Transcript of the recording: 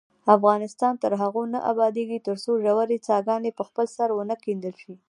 افغانستان تر هغو نه ابادیږي، ترڅو ژورې څاګانې په خپل سر ونه کیندل شي.